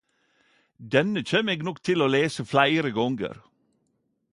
Denne kjem eg nok til å lese fleire gonger!